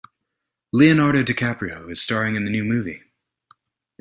Leonardo DiCaprio is staring in the new movie.